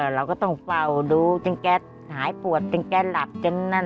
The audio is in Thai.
เราก็ต้องเฝ้าดูจนแกหายปวดจนแกหลับจนนั่น